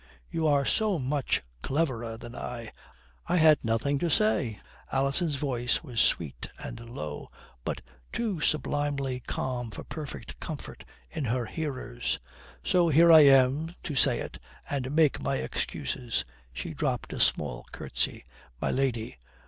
"You are so much cleverer than I am. I had nothing to say." Alison's voice was sweet and low, but too sublimely calm for perfect comfort in her hearers. "So here I am to say it and make my excuses," she dropped a small curtsey, "my lady.